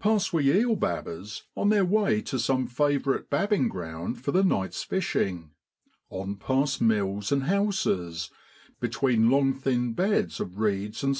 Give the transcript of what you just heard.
Pass we eel babbers on their way to some favourite babbing ground for the night's fishing; on past mills and houses, between long thin beds of reeds and 68 JULY IN BROADLAND.